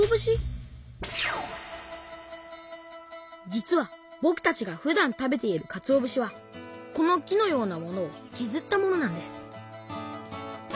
実はぼくたちがふだん食べているかつお節はこの木のようなものをけずったものなんです